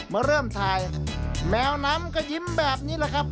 มาเริ่มถ่ายแมวน้ำก็ยิ้มแบบนี้แหละครับ